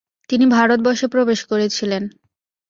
তিনি ভারতবর্ষে প্রবেশ করেছিলেন।